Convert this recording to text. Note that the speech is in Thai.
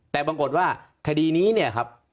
แต่ปรากฏว่าคดีนี้เนี่ยครับ